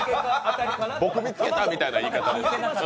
僕見つけたみたいな言い方。